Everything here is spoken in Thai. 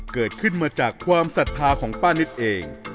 เกิดขึ้นมาจากความศรัทธาของป้านิตเอง